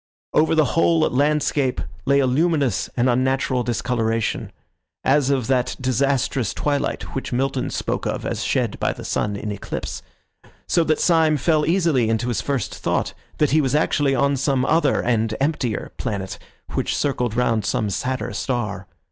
Over the whole landscape lay a luminous and unnatural discoloration, as of that disastrous twilight which Milton spoke of as shed by the sun in eclipse; so that Syme fell easily into his first thought, that he was actually on some other and emptier planet, which circled round some sadder star.